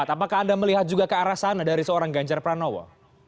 apakah anda melihat juga ke arah sana dari seorang ganjar pranowo